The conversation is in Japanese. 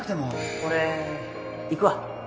俺行くわ